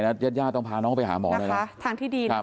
ญาติเรายาต้องพาน้องไปหาหมอได้